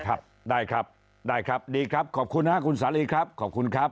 ครับได้ครับได้ครับดีครับขอบคุณฮะคุณสาลีครับขอบคุณครับ